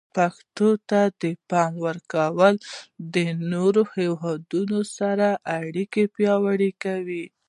پښتو ته د پام ورکول د نورو هیوادونو سره اړیکې پیاوړي کوي.